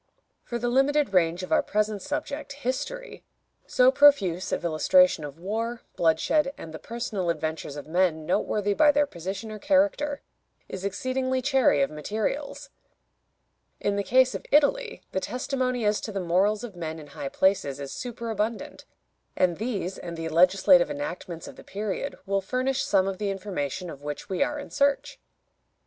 For the limited range of our present subject, history, so profuse of illustration of war, bloodshed, and the personal adventures of men noteworthy by their position or character, is exceedingly chary of materials. In the case of Italy the testimony as to the morals of men in high places is superabundant, and these and the legislative enactments of the period will furnish some of the information of which we are in search.